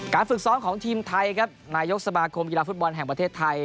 ฝึกซ้อมของทีมไทยครับนายกสมาคมกีฬาฟุตบอลแห่งประเทศไทย